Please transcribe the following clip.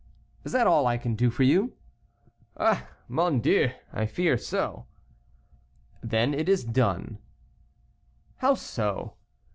"Is that all I can do for you?" "Ah, mon Dieu! I fear so." "Then it is done." "How so?"